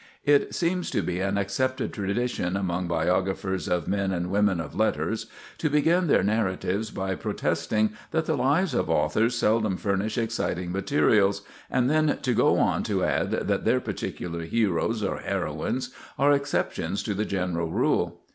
It seems to be an accepted tradition among biographers of men and women of letters to begin their narratives by protesting that the lives of authors seldom furnish exciting materials, and then to go on to add that their particular heroes or heroines are exceptions to the general rule.